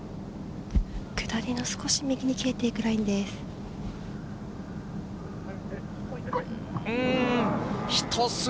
下りの少し右に切れていくラインです。